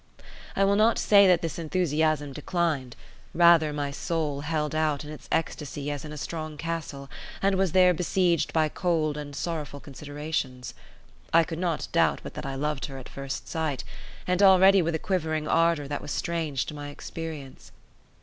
I will not say that this enthusiasm declined; rather my soul held out in its ecstasy as in a strong castle, and was there besieged by cold and sorrowful considerations. I could not doubt but that I loved her at first sight, and already with a quivering ardour that was strange to my experience.